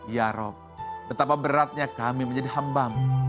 ya rob betapa beratnya kami menjadi hambamu